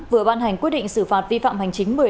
vừa ban hành quyết định xử phạt vi phạm hành chính